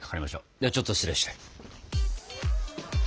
ではちょっと失礼して。